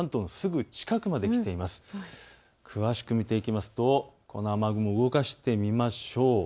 詳しく見ていきますとこの雨雲、動かしてみましょう。